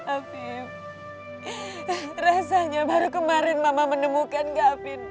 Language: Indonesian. afif rasanya baru kemarin mama menemukan gafin